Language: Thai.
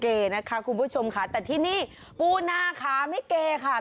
นะคะคุณผู้ชมค่ะแต่ที่นี่ปูนาขาไม่เกค่ะ